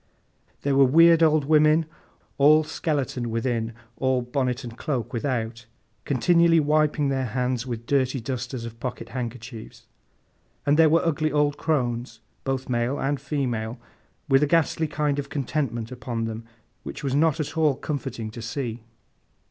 There were weird old women, all skeleton within, all bonnet and cloak without, continually wiping their eyes with dirty dusters of pocket handkerchiefs; and there were ugly old crones, both male and female, with a ghastly kind of contentment upon them which was not at all comforting to see.